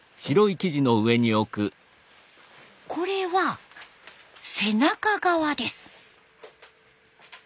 これは背中側です。